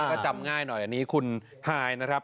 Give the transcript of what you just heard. ก็จำง่ายหน่อยอันนี้คุณฮายนะครับ